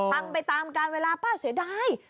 ไปตามการเวลาป้าเสียดาย